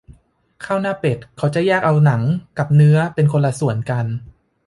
ข้าวหน้าเป็ด เขาจะแยกเอาหนังกับเนื้อเป็นคนละส่วนกัน